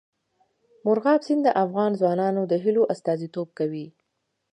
مورغاب سیند د افغان ځوانانو د هیلو استازیتوب کوي.